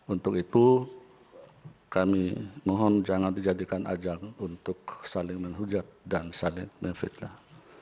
untuk itu kami mohon jangan dijadikan ajang untuk saling menghujat dan saling memfitnah